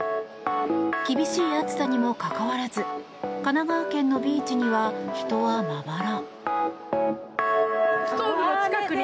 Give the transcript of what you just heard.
厳しい暑さにもかかわらず神奈川県のビーチには人はまばら。